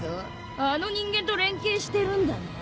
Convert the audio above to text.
あの人間と連携してるんだな。